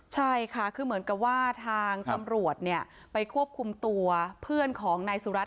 ใช่ค่ะคือเหมือนกับว่าทางตำรวจไปควบคุมตัวเพื่อนของนายสุรัตน